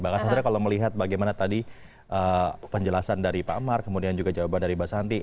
mbak kassandra kalau melihat bagaimana tadi penjelasan dari pak amar kemudian juga jawaban dari mbak santi